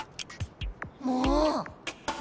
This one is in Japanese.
もう！